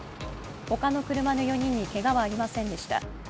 他の車の４人にけがはありませんでした。